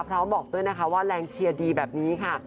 บอกด้วยนะคะว่าแรงเชียร์ดีแบบนี้ค่ะ